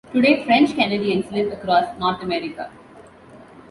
Today, French Canadians live across North America.